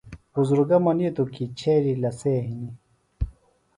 بُزرگہ منِیتوۡ کیۡ چھیلیۡ لسے ہنیۡ